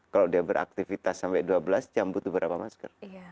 kalau dia beraktivitas sampai dua belas jam butuh berapa masker